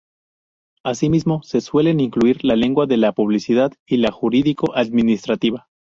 Asimismo, se suelen incluir la lengua de la publicidad y la jurídico- administrativa.